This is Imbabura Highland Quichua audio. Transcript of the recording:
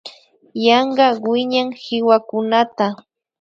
Yanka wiñay kiwakunata